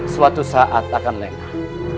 suatu saat akan lengah